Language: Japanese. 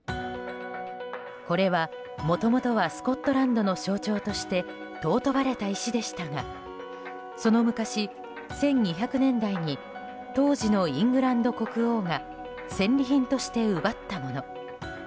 これは、もともとはスコットランドの象徴として尊ばれた石でしたがその昔、１２００年代に当時のイングランド国王が戦利品として奪ったもの。